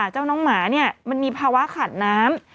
เจ้าน้องหมามันมีภาวะขาดน้ำ